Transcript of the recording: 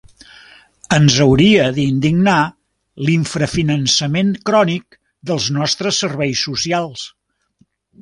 Ens hauria d'indignar l'infrafinançament crònic dels nostres serveis socials.